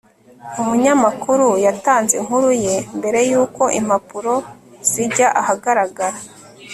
umunyamakuru yatanze inkuru ye mbere yuko impapuro zijya ahagaragara